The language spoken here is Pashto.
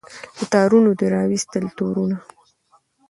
له تارونو دي را وایستل تورونه